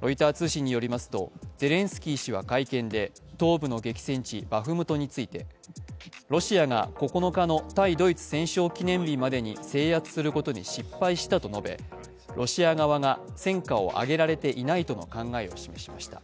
ロイター通信によりますとゼレンスキー氏は会見で東部の激戦地バフムトについてロシアが９日の対ドイツ戦勝記念日までに制圧することに失敗したと述べロシア側が戦果を挙げられていないとの考えを示しました。